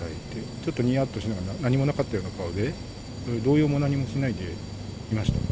ちょっとにやっとしながら、何もなかったような顔で、動揺も何もしないでいました。